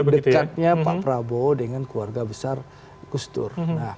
begitu dekatnya pak prabowo dengan keluarga besar gusdur